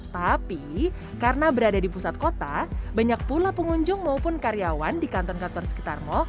tapi karena berada di pusat kota banyak pula pengunjung maupun karyawan di kantor kantor sekitar mall